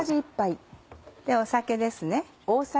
酒ですね。